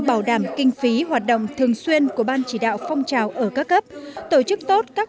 bảo đảm kinh phí hoạt động thường xuyên của ban chỉ đạo phong trào ở các cấp tổ chức tốt các